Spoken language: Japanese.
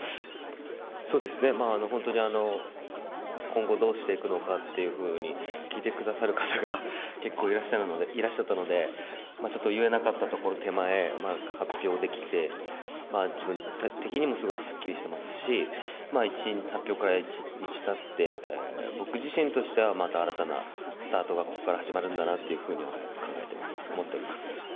そうですね、本当に今後どうしていくのかっていうふうに聞いてくださる方が結構いらっしゃったので、ちょっと言えなかった手前、発表できて、自分的にもすごくすっきりしてますし、発表から１日たって、僕自身としてはまた新たなスタートがここから始まるんだなというふうには考えてます、思っております。